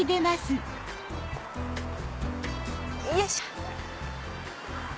よいしょ！